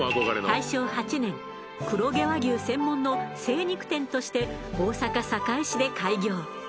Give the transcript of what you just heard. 大正８年黒毛和牛専門の精肉店として大阪・堺市で開業。